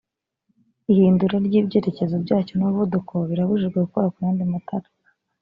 ihindura ry’ibyerekezo byacyo n’umuvuduko birabujijwe gukora ku yandi matara